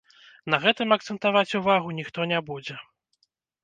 На гэтым акцэнтаваць увагу ніхто не будзе.